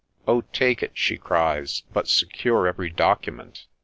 * Oh ! take it,' she cries ;' but secure every document.'